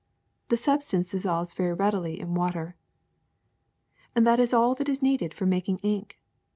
This substance dissolves very read ily in water. '^That is all that is needed for making ink.